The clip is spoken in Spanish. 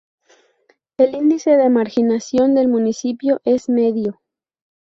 El índice de marginación del municipio es medio.